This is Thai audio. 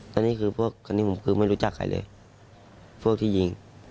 แต่นี่คือพวกคันนี้ผมคือไม่รู้จักใครเลยพวกที่ยิง